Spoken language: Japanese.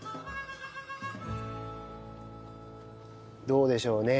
どうでしょうね？